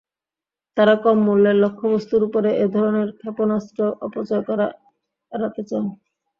তারা কম মূল্যের লক্ষ্যবস্তুর উপরে এ ধরনের ক্ষেপণাস্ত্র অপচয় করা এড়াতে চান।